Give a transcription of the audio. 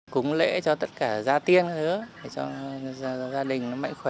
cúng lễ cho tất cả gia tiên cho gia đình mạnh khỏe